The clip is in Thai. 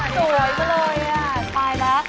สวยมากเลยปลายแล้ว